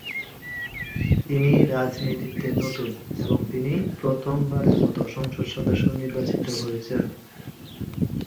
তিনি রাজনীতিতে নতুন এবং তিনি প্রথম বারের মতো সংসদ সদস্য নির্বাচিত হয়েছেন।